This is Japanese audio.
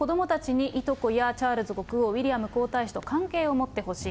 そして子どもたちにいとこやチャールズ国王、ウィリアム皇太子と関係を持ってほしい。